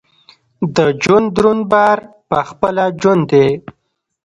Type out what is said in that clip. د ژوند دروند بار پخپله ژوند دی.